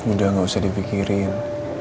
udah gak usah dipikirin